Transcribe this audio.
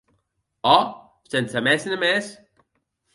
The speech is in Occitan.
Òc, sense mès ne mès.